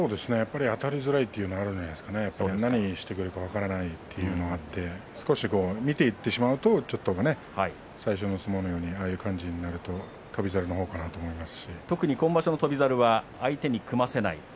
あたりづらいというのがあるんじゃないですかね、何してくるのか分からないというのがあって少し見ていってしまうと最初の相撲のようにあんな感じになると翔猿の方かなと思います。